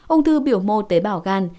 ông thư biểu mô tế bảo gan